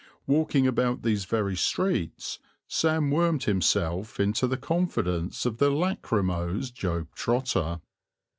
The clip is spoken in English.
Walking about these very streets Sam wormed himself into the confidence of the lachrymose Job Trotter.